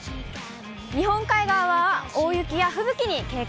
日本海側は大雪や吹雪に警戒。